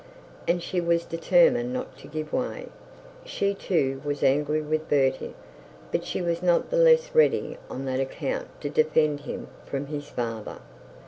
And she was determined not to give way. She too was angry with Bertie; but she was not the less ready on that account to defend him from his father.